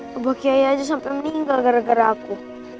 kebuki aja sampe meninggal gara gara aku